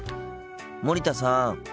森田さん。